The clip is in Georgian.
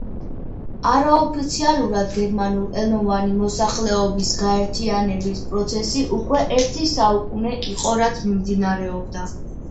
არაოფიციალურად გერმანულ ენოვანი მოსახლეობის გაერთიანების პროცესი უკვე ერთი საუკუნე იყო რაც მიმდინარეობდა.